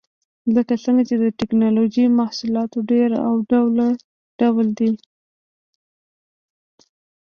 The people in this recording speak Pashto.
لکه څنګه چې د ټېکنالوجۍ محصولات ډېر او ډول ډول دي.